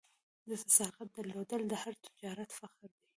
د صداقت درلودل د هر تجارت فخر دی.